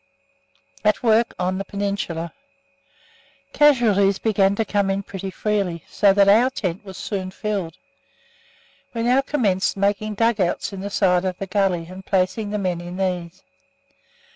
AT WORK ON THE PENINSULA Casualties began to come in pretty freely, so that our tent was soon filled. We now commenced making dug outs in the side of the gully and placing the men in these.